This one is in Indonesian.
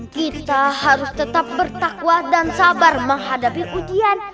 kita harus tetap bertakwa dan sabar menghadapi ujian